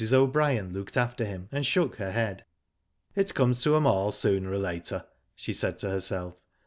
O'Brien looked after him, and shook her head. " It comes to 'em all sooner or later/' she said to herself.